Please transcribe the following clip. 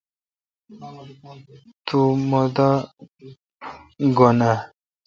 تو مہ دا گھن آ؟